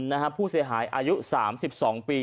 น่าฮะผู้เสียหายอายุ๓๒ปี